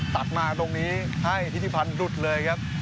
ตัดมาตรงนี้ให้ทิศิพันธ์หลุดเลยครับ